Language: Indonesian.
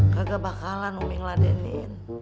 kagak bakalan umi ngeladenin